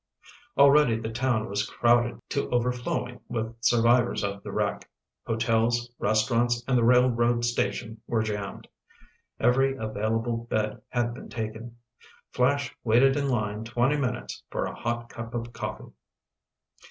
Already the town was crowded to overflowing with survivors of the wreck. Hotels, restaurants and the railroad station were jammed. Every available bed had been taken. Flash waited in line twenty minutes for a hot cup of coffee.